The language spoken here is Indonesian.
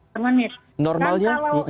per menit normalnya